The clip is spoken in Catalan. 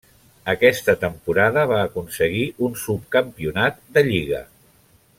Aquesta temporada va aconseguir un subcampionat de lliga.